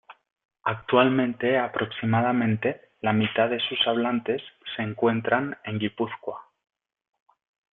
Actualmente aproximadamente la mitad de sus hablantes se encuentran en Guipúzcoa.